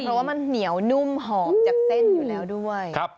เพราะว่ามันเหนียวนุ่มหอมจากเส้นอยู่แล้วด้วย